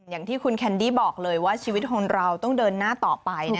อย่างที่คุณแคนดี้บอกเลยว่าชีวิตของเราต้องเดินหน้าต่อไป